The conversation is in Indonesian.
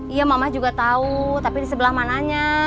iya mamah juga tahu tapi di sebelah mananya